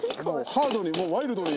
ハードにもうワイルドに。